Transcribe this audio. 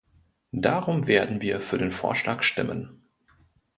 Darum werden wir für den Vorschlag stimmen.